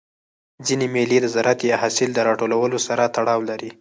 ځيني مېلې د زراعت یا حاصل د راټولولو سره تړاو لري.